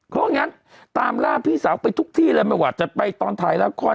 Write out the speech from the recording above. เพราะงั้นตามล่าพี่สาวไปทุกที่เลยไม่ว่าจะไปตอนถ่ายละคร